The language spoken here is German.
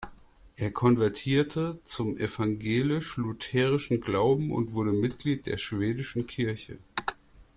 Er konvertierte zum evangelisch-lutherischen Glauben und wurde Mitglied der Schwedischen Kirche.